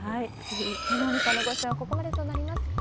能見さんのご出演はここまでとなります。